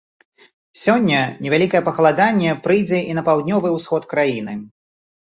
Сёння невялікае пахаладанне прыйдзе і на паўднёвы ўсход краіны.